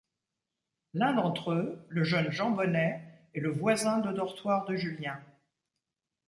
L'un d'entre eux, le jeune Jean Bonnet, est le voisin de dortoir de Julien.